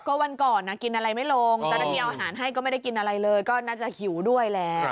ก็วันก่อนนะกินอะไรไม่ลงเจ้าหน้าที่เอาอาหารให้ก็ไม่ได้กินอะไรเลยก็น่าจะหิวด้วยแหละ